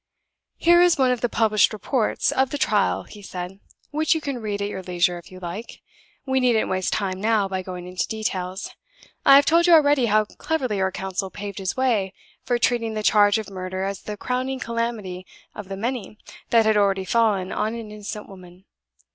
"Here is one of the published Reports of the Trial," he said, "which you can read at your leisure, if you like. We needn't waste time now by going into details. I have told you already how cleverly her counsel paved his way for treating the charge of murder as the crowning calamity of the many that had already fallen on an innocent woman.